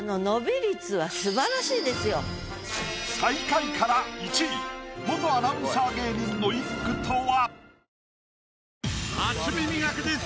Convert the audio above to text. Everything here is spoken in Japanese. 最下位から１位元アナウンサー芸人の一句とは？